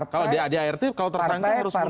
kalau di art kalau tersangka harus menduduk